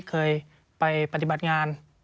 เคยไปปฏิบัติงาน